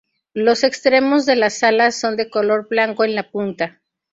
Los extremos de las alas son de color blanco en la punta.